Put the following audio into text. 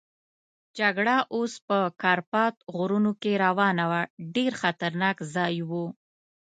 جګړه اوس په کارپات غرونو کې روانه وه، ډېر خطرناک ځای وو.